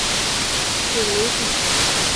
史努比。